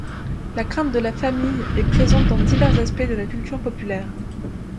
La crainte de la famine est présente dans divers aspects de la culture populaire.